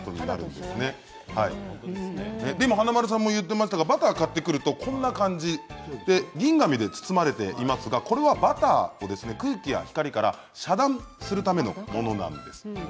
でも華丸さんも言っていましたがバターを買ってくるとこんな感じで銀紙で包まれていますがこれはバターを、空気や光から遮断するためのものなんです。